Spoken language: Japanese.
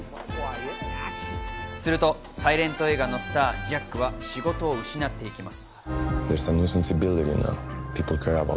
するとサイレント映画のスター、ジャックは仕事を失っていきます。